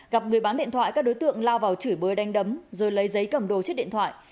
gặp người bán điện thoại các đối tượng lao vào chửi bơi đánh đấm rồi lấy giấy cầm đồ chiếc điện thoại